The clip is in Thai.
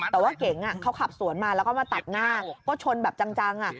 แต่ว่าเก๋งเขาขับสวนมาแล้วก็มาตัดหน้าก็ชนแบบจัง